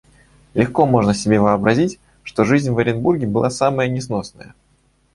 Легко можно себе вообразить, что жизнь в Оренбурге была самая несносная.